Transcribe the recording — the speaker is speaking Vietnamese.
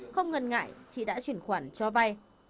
không ngần ngại chỉ đã chuyển khoản cho ve